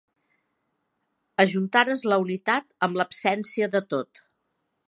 Ajuntares la unitat amb l'absència de tot.